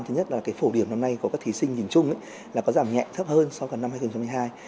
thứ nhất là cái phổ điểm năm nay của các thí sinh nhìn chung là có giảm nhẹ thấp hơn so với năm hai nghìn một mươi hai